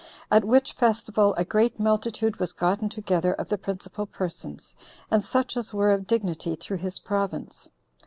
At which festival a great multitude was gotten together of the principal persons, and such as were of dignity through his province.